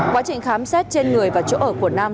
quá trình khám xét trên người và chỗ ở của nam